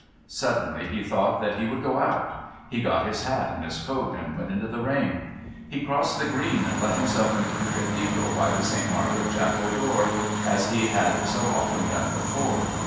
Suddenly he thought that he would go out. He got his hat and his coat and went into the rain. He crossed the Green and let himself into the Cathedral by the Saint Margaret Chapel door, as he had so often done before.